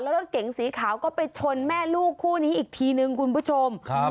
รถเก๋งสีขาวก็ไปชนแม่ลูกคู่นี้อีกทีนึงคุณผู้ชมครับ